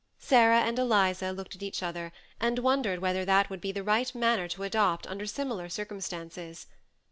Sarah and Eliza looked at each other, and wondered whether that would be the right manner to adopt under similar circumstances.